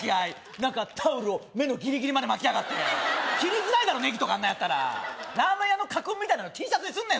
何かタオルを目のギリギリまで巻きやがって切りづらいだろネギとかあんなやったらラーメン屋の家訓みたいなのＴシャツにすんなよ